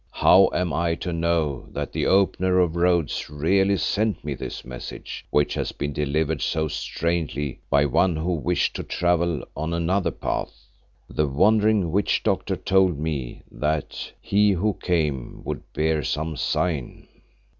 How am I to know that the Opener of Roads really sent me this message which has been delivered so strangely by one who wished to travel on another path? The wandering witch doctor told me that he who came would bear some sign."